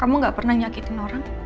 kamu gak pernah nyakitin orang